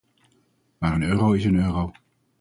Maar een euro is een euro.